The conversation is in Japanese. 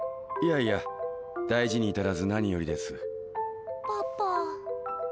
いやいや大事に至らず何よりです。